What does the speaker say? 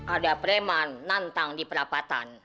ada preman nantang di perapatan